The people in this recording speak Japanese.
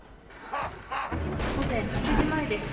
午前８時前です。